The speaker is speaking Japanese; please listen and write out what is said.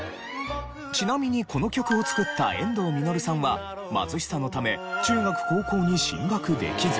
ちなみにこの曲を作った遠藤実さんは貧しさのため中学高校に進学できず。